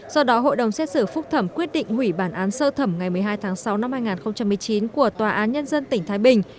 do đó hội đồng xét xử phúc thẩm quyết định hủy bản án sơ thẩm ngày một mươi hai tháng sáu năm hai nghìn một mươi chín của tòa án nhân dân tỉnh thái bình